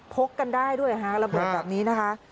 กกันได้ด้วยฮะระเบิดแบบนี้นะคะ